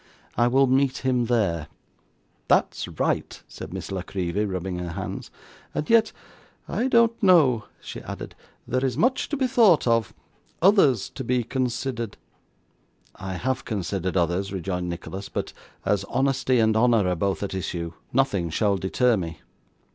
I will meet him there.' 'That's right,' said Miss La Creevy, rubbing her hands. 'And yet, I don't know,' she added, 'there is much to be thought of others to be considered.' 'I have considered others,' rejoined Nicholas; 'but as honesty and honour are both at issue, nothing shall deter me.